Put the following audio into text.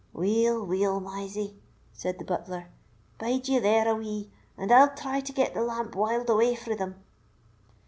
"Weel, weel, Mysie," said the butler, "bide ye there a wee, and I'll try to get the lamp wiled away frae them."